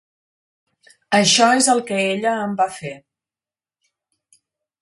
Això és el que ella em va fer.